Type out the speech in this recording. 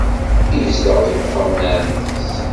Yezdeɣ deg uxxam n ɛemmti-s.